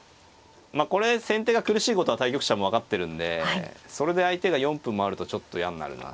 まあこれ先手が苦しいことは対局者も分かってるんでそれで相手が４分もあるとちょっと嫌になるな。